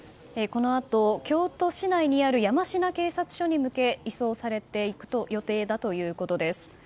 このあと京都市内にある山科警察署に向け移送されていく予定だということです。